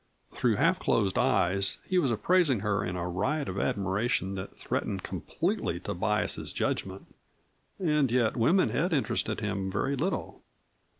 Through half closed eyes he was appraising her in a riot of admiration that threatened completely to bias his judgment. And yet women had interested him very little.